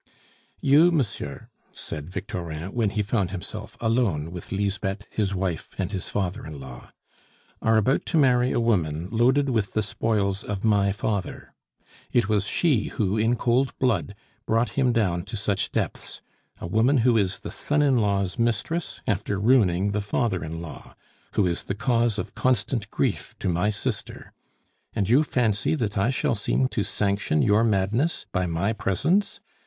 "You, monsieur," said Victorin, when he found himself alone with Lisbeth, his wife, and his father in law, "are about to marry a woman loaded with the spoils of my father; it was she who, in cold blood, brought him down to such depths; a woman who is the son in law's mistress after ruining the father in law; who is the cause of constant grief to my sister! And you fancy that I shall seem to sanction your madness by my presence?